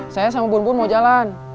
saya sama bun bun mau jalan